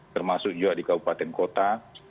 termasuk juga di kabupaten kota